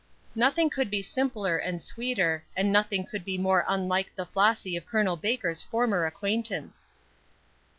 Nothing could be simpler and sweeter, and nothing could be more unlike the Flossy of Col. Baker's former acquaintance.